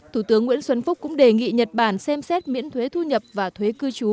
thủ tướng nguyễn xuân phúc cũng đề nghị nhật bản xem xét miễn thuế thu nhập và thuế cư trú